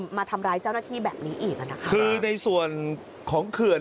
มาทำร้ายเจ้าหน้าที่แบบนี้อีกอ่ะนะคะคือในส่วนของเขื่อน